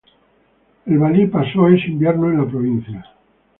El valí pasó ese invierno en la provincia.